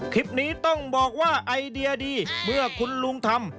คลิปนี้ต้องบอกว่าไอเดียดีเมื่อคุณลุงทำ